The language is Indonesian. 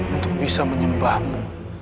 untuk bisa menyembahmu